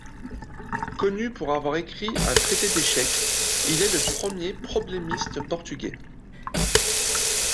Connu pour avoir écrit un traité d'échecs, il est le premier problémiste portugais.